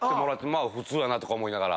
まあ普通やなとか思いながら。